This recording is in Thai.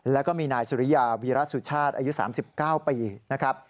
แล้วก็มีนายสุริยาวีระสุชาติอายุ๓๙ปีนะครับ